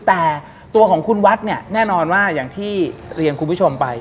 แต่ตัวของคุณวัดเนี่ยแน่นอนว่าอย่างที่เรียนคุณผู้ชมไป